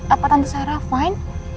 apa tante sarah fine